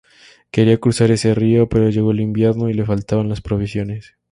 Quería cruzar ese río, pero llegó el invierno y le faltaban las provisiones.